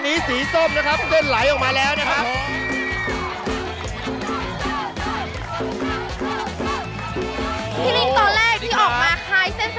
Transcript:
พี่ลิ้งตอนแรกที่ออกมาคลายเส้นสปาเก็ตตี้เลย